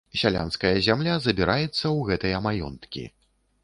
Сялянская зямля забіраецца ў гэтыя маёнткі.